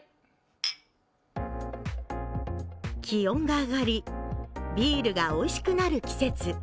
気温が上がりビールがおいしくなる季節。